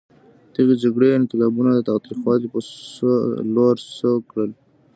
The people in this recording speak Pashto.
دغې جګړې انقلابیون د تاوتریخوالي په لور سوق کړل.